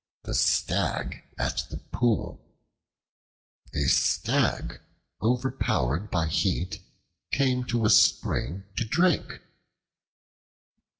The Stag at the Pool A STAG overpowered by heat came to a spring to drink.